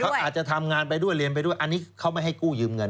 เขาอาจจะทำงานไปด้วยเรียนไปด้วยอันนี้เขาไม่ให้กู้ยืมเงิน